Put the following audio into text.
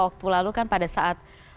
waktu lalu kan pada saat